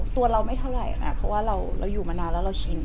ตัวเราไม่เท่าไหร่นะเพราะว่าเราอยู่มานานแล้วเราชิน